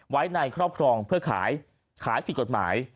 ไว้ในครอบครองเพื่อขายขายผิดกฎหมาย